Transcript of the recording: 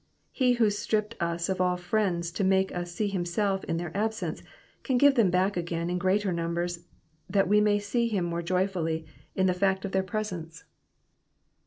He who stripped us of all friends to make us see himself in their absence, can give them back again in greater numbers that we may »ee him more joyfully in the fact of their presence.